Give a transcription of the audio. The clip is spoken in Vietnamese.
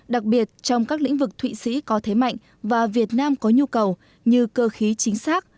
đặc biệt trong các lĩnh vực thụy sĩ có thế mạnh và việt nam có nhu cầu như cơ khí chính xác